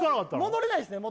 戻れないですね